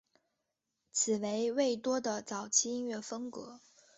此为魏多的早期音乐风格。